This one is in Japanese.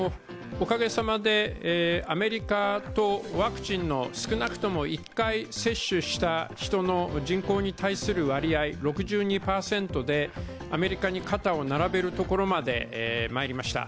おかげさまでアメリカとワクチンの、少なくとも１回接種した人の人口に対する割合、６２％で、アメリカに肩を並べるところまでまいりました。